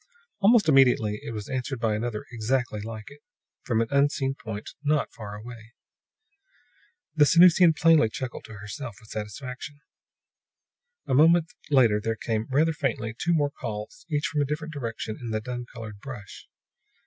Almost immediately it was answered by another exactly like it, from an unseen point not far away. The Sanusian plainly chuckled to herself with satisfaction. A moment later there came, rather faintly, two more calls, each from a different direction in the dun colored brush.